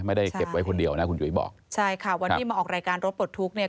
ไม่ได้เก็บไว้คนเดียวนะคุณจุ๋ยบอกใช่ค่ะวันที่มาออกรายการรถปลดทุกข์เนี่ย